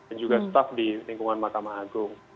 dan juga staf di lingkungan mahkamah agung